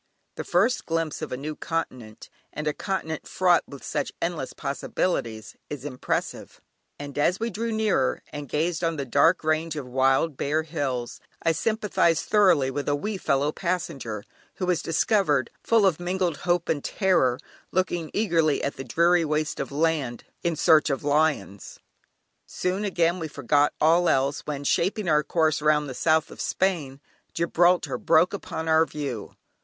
The first glimpse of a new continent, and a continent fraught with such endless possibilities is impressive; and as we drew nearer, and gazed on that dark range of wild, bare hills, I sympathised thoroughly with a wee fellow passenger who was discovered, full of mingled hope and terror, looking eagerly at the dreary waste of land in search of lions! Soon again we forgot all else, when, shaping our course round the south of Spain, Gibraltar broke upon our view.